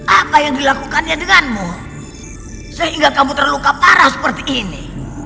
apa yang dilakukannya denganmu sehingga kamu terluka parah seperti ini